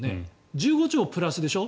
１５兆プラスでしょ？